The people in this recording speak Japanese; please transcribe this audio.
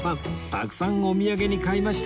たくさんお土産に買いました